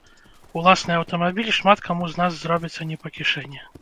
Уласны аўтамабіль шмат каму з нас зробіцца не па кішэні.